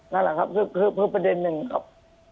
นั่นแหละครับคือประเด็นหนึ่งครับ